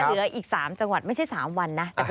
เหลืออีก๓จังหวัดไม่ใช่๓วันนะ